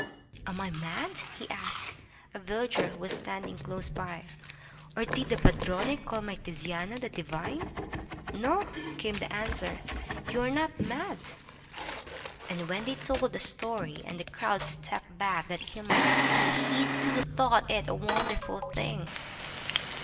"Am I mad/' he asked a villager who was standing close by, "or did the padrone call my Tiziano 'the divine'?" "No," came the answer. "You are not mad." And when they told him the story, and the crowd stepped back that he might see, he, too, thought it a wonderful thing.